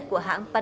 của hãng phụ nữ